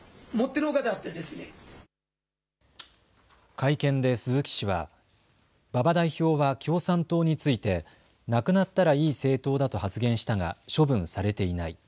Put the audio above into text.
会見で鈴木氏は、馬場代表は共産党についてなくなったらいい政党だと発言したが処分されていない。